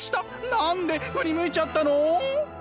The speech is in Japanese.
何で振り向いちゃったの？